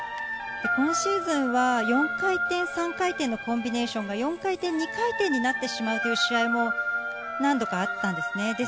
今シーズンは４回転、３回転のコンビネーションが４回転、２回転になってしまうという試合も何度かあったんですね。